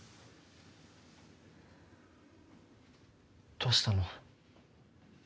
どうしたの？